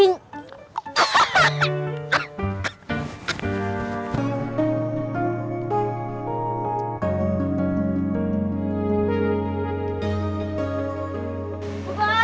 pernah buat kumpulkan